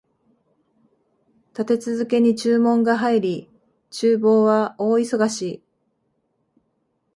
立て続けに注文が入り、厨房は大忙し